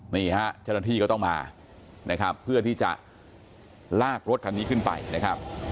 นี่ฮะเจ้าหน้าที่ก็ต้องมานะครับเพื่อที่จะลากรถคันนี้ขึ้นไปนะครับ